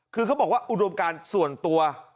คือเขาบอกว่าอุดมการส่วนตัว